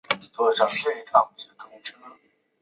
桃卷叶蚜为常蚜科瘤蚜属下的一个种。